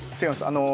あの。